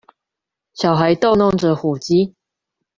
小孩逗弄著火雞